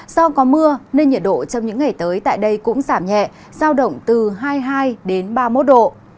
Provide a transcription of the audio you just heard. do có mưa nên nhiệt độ trong những ngày tới tại đây cũng giảm nhẹ giao động từ hai mươi hai đến ba mươi một độ